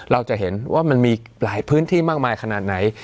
เราจะเห็นว่ามันมีหลายพื้นที่มากมายขนาดไหน